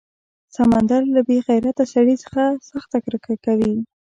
سمندر له بې غیرته سړي څخه سخته کرکه کوي.